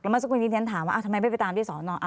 แล้วเมื่อสักวันที่ฉันถามว่าอ้าวทำไมไม่ไปตามที่สอนอ่ะ